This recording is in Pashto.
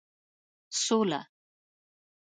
سوله